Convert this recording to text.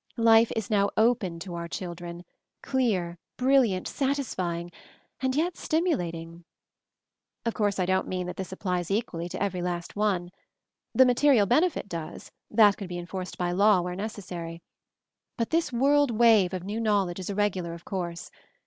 Life is now open to our children, clear, brilliant, satisfying, and yet stimulating. "Of course, I don't mean that this applies equally to every last one. The material benefit does, that could be enforced by law where necessary; but this world wave of new knowledge is irregular, of course.